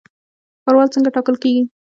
ښاروال څنګه ټاکل کیږي؟